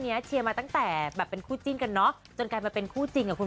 ว่าเซอร์ไพรส์ตัวเองเหมือนกัน